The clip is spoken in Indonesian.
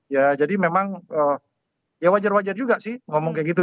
ya jadi memang ya wajar wajar juga sih ngomong kayak gitu